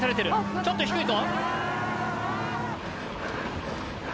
ちょっと低いぞ。